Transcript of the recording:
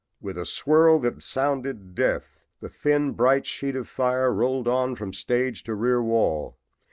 "With a swirl that sounded death, the thin bright sheet of fire rolled on from stage to rear wall.